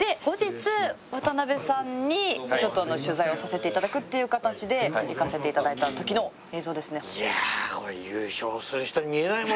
後日渡辺さんにちょっと取材をさせていただくっていう形で行かせていただいたときの映像ですね。